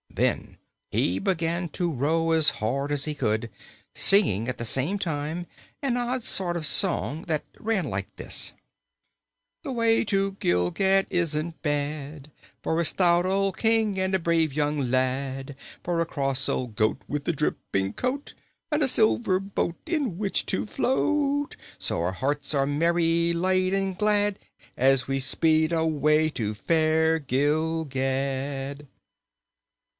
Then he began to row as hard as he could, singing at the same time an odd sort of a song that ran like this: "The way to Gilgad isn't bad For a stout old King and a brave young lad, For a cross old goat with a dripping coat, And a silver boat in which to float. So our hearts are merry, light and glad As we speed away to fair Gilgad!"